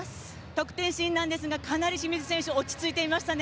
得点シーンですがかなり清水選手落ち着いてましたね。